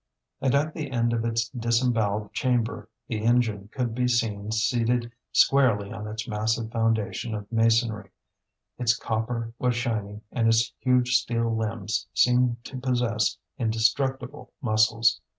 And at the end of its disembowelled chamber, the engine could be seen seated squarely on its massive foundation of masonry; its copper was shining and its huge steel limbs seemed to possess indestructible muscles.